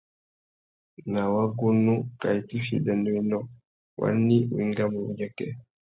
Ná wagunú kā itifiya ibianéwénô, wani wá engamú uyêkê? .